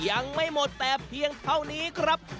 ยังไม่หมดแต่เพียงเท่านี้ครับ